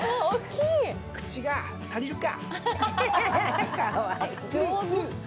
口が足りるか！